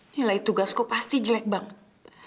nilai tugasku pasti jelek banget